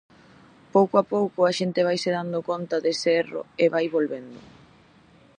Pouco a pouco a xente vaise dando conta dese erro e vai volvendo.